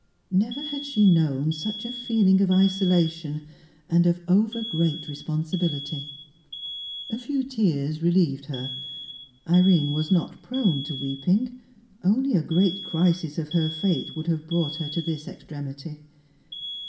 Never had she known such a feeling of isolation, and of over great responsibility. A few tears relieved her. Irene was not prone to weeping; only a great crisis of her fate would have brought her to this extremity.